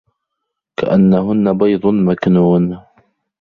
كَأَنَّهُنَّ بَيضٌ مَكنونٌ